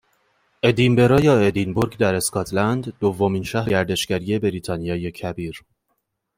ادینبرا یا ادینبورگ در اسکاتلند دومین شهر گردشگری بریتانیای کبیر